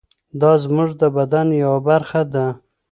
دا زموږ د بدن یوه برخه ده.